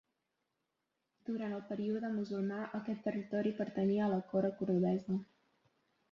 Durant el període musulmà, aquest territori pertanyia a la cora cordovesa.